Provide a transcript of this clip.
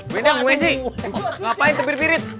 waduh wedi ngapain tebir pirit